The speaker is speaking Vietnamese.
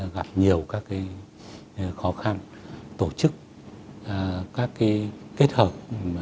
gặp nhiều các khó khăn tổ chức các kết hợp